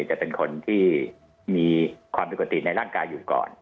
จะเป็นคนที่มีความผิดปกติในร่างกายอยู่ก่อน